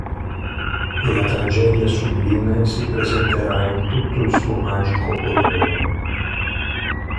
E la tragedia sublime si presenterà in tutto il suo magico orrore.